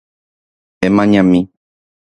Emañami